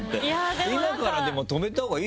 今からでも止めたほうがいいでしょ。